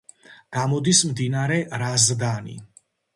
გამოდის მდინარე რაზდანი.